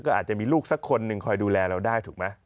ก็อาจจะมีลูกสักคนหนึ่งคอยดูแลเราได้ถูกไหม